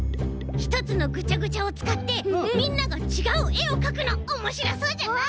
ひとつのぐちゃぐちゃをつかってみんながちがうえをかくのおもしろそうじゃない？